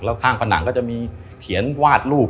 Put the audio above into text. แล้วข้างผนังก็จะมีเขียนวาดรูป